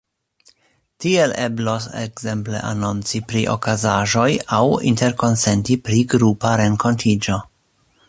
Tiel eblos ekzemple anonci pri okazaĵoj aŭ interkonsenti pri grupa renkontiĝo.